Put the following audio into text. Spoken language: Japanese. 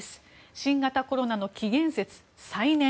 新型コロナの起源説再燃。